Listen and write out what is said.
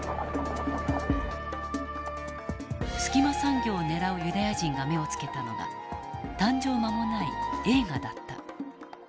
隙間産業をねらうユダヤ人が目をつけたのが誕生間もない映画だった。